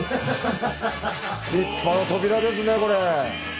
立派な扉ですねこれ。